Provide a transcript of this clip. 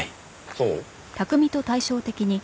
そう？